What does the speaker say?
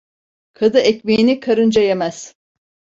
Kadı ekmeğini karınca yemez.